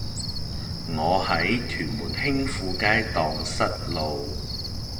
我喺屯門興富街盪失路